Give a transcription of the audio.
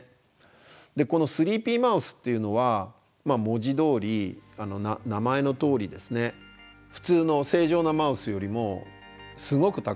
このスリーピーマウスっていうのは文字どおり名前のとおりですね普通の正常なマウスよりもすごくたくさん眠ります。